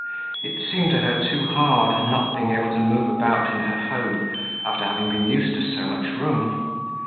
It seemed to her too hard, not being able to move about in her home, after having been used to so much room.